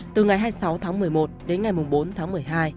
từ ngày hai mươi sáu tháng một mươi một đến ngày bốn tháng một mươi hai